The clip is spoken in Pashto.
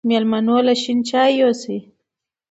مېلمنو له شين چای يوسه